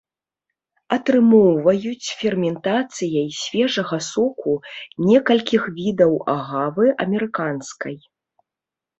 Атрымоўваюць ферментацыяй свежага соку некалькіх відаў агавы амерыканскай.